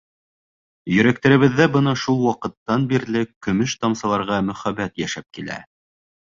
Йөрәктәребеҙҙә бына шул ваҡыттан бирле көмөш тамсыларға мөхәббәт йәшәп килә.